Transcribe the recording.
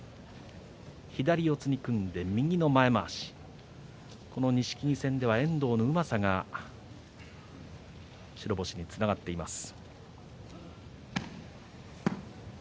左四つに組んで右の前まわしこの錦木戦では遠藤のうまさが白星につながっています。